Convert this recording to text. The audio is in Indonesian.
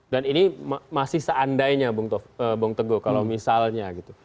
dan ini masih seandainya bung teguh kalau misalnya gitu